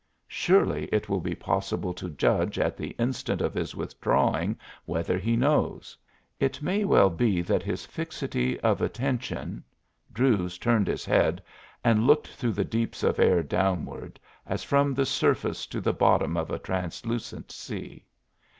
Surely it will be possible to judge at the instant of his withdrawing whether he knows. It may well be that his fixity of attention Druse turned his head and looked through the deeps of air downward, as from the surface to the bottom of a translucent sea.